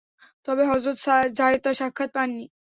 তবে হযরত যায়েদ তাঁর সাক্ষাৎ পাননি।